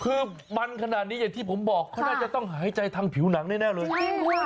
คือบ้านขนาดนี้ที่ผมบอกเขาน่าจะต้องหายใจทางผิวหนังได้แน่เร็ว